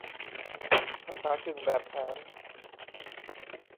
ภาษากึ่งแบบแผน